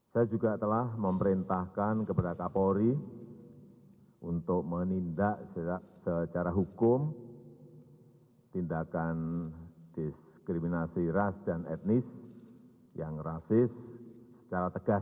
saya juga telah memerintahkan kepada kapolri untuk menindak secara hukum tindakan diskriminasi ras dan etnis yang rasis secara tegas